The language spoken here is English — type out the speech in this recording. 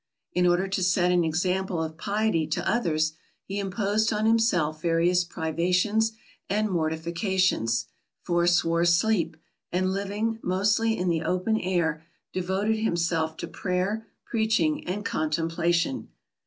In order to set an example of piety to others, he imposed on himself various privations and mortifications, forswore sleep, and, living mostly in the open air, devoted himself to prayer, preaching, and contemplation.